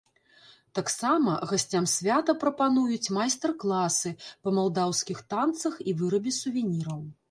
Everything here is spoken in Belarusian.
Таксама гасцям свята прапануюць майстар-класы па малдаўскіх танцах і вырабе сувеніраў.